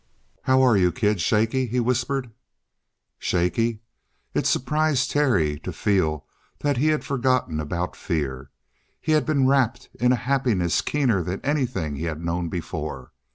"How are you, kid shaky?" he whispered. Shaky? It surprised Terry to feel that he had forgotten about fear. He had been wrapped in a happiness keener than anything he had known before.